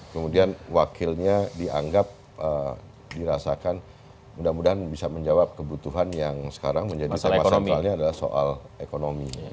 kemudian wakilnya dianggap dirasakan mudah mudahan bisa menjawab kebutuhan yang sekarang menjadi masalah ekonomi